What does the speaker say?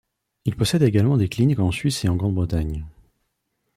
Il possède également des cliniques en Suisse et en Grande-Bretagne.